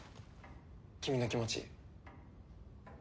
君の気持ち。